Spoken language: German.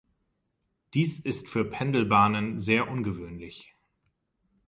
Dies ist für Pendelbahnen sehr ungewöhnlich.